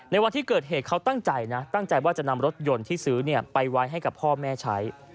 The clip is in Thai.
วันที่เกิดเหตุเขาตั้งใจนะตั้งใจว่าจะนำรถยนต์ที่ซื้อไปไว้ให้กับพ่อแม่ใช้